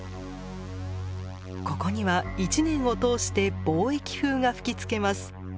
ここには一年を通して貿易風が吹きつけます。